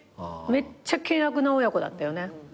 めっちゃ険悪な親子だったよね。